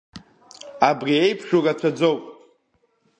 Абри еиԥшу рацәаӡоуп.